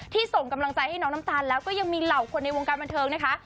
ส่งกำลังใจให้น้องน้ำตาลแล้วก็ยังมีเหล่าคนในวงการบันเทิงนะคะ